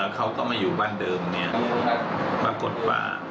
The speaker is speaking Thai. เขาต้องมาอยู่บ้านเดิมเนี่ยมากดป่า